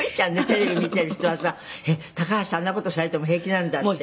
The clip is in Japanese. テレビ見ている人はさえっ高橋さんあんな事されても平気なんだって」